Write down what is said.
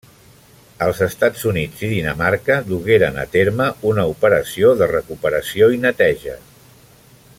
Els Estats Units i Dinamarca dugueren a terme una operació de recuperació i neteja.